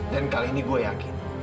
dan kali ini gua yakin